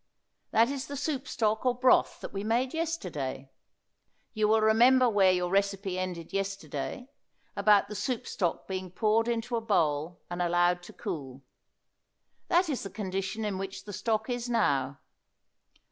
That is the soup stock or broth that we made yesterday. You will remember where your recipe ended yesterday, about the soup stock being poured into a bowl and allowed to cool. That is the condition in which the stock is now.